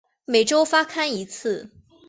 每周发刊一次。